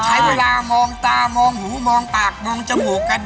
ใช้เวลามองตามองหูมองปากมองจมูกกัน